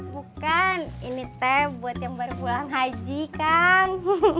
bukan ini teh buat yang baru pulang haji kang